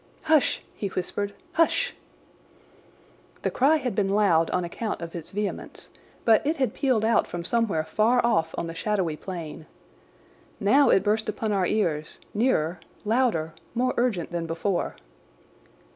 "Hush!" he whispered. "Hush!" The cry had been loud on account of its vehemence, but it had pealed out from somewhere far off on the shadowy plain. Now it burst upon our ears, nearer, louder, more urgent than before.